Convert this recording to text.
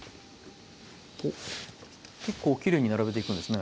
結構きれいに並べていくんですね。